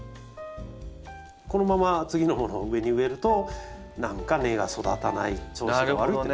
このまま次のものを上に植えると何か根が育たない調子が悪いとなる。